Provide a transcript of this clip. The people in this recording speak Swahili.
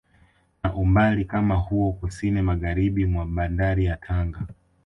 Na umbali kama huo kusini Magharibi mwa bandari ya Tanga